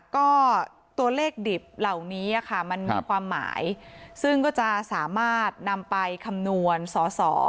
ก็ตัวเลขดิบเหล่านี้ค่ะมันมีความหมายซึ่งก็จะสามารถนำไปคำนวณสอสอ